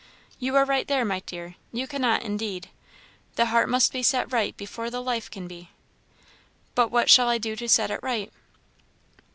"You are right there, my dear; you cannot, indeed. The heart must be set right before the life can be." "But what shall I do to set it right?"